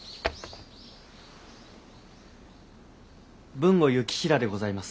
豊後行平でございます。